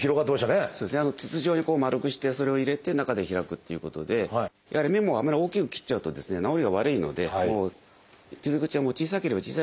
筒状にまるくしてそれを入れて中で開くということでやはり目もあまり大きく切っちゃうと治りが悪いので傷口は小さければ小さいほどいいんですよね。